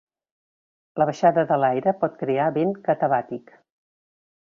La baixada de l'aire pot crear vent catabàtic.